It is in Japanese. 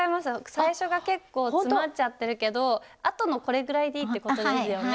最初が結構詰まっちゃってるけどあとのこれぐらいでいいってことですよね？